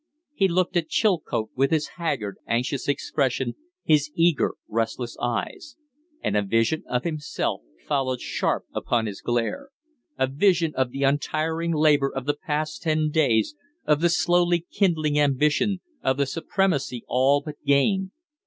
He looked at Chilcote with his haggard, anxious expression, his eager, restless eyes; and a vision of himself followed sharp upon his glance. A vision of the untiring labor of the past ten days, of the slowly kindling ambition, of the supremacy all but gained.